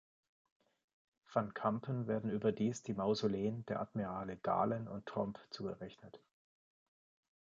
Van Campen werden überdies die Mausoleen der Admirale Galen und Tromp zugerechnet.